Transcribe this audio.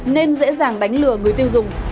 nên dễ dàng đánh lừa người tiêu dùng